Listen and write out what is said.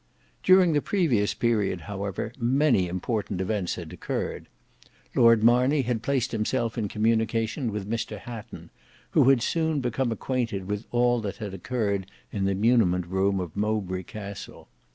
During the previous period however many important events had occurred. Lord Marney had placed himself in communication with Mr Hatton, who had soon become acquainted with all that had occurred in the muniment room of Mowbray Castle.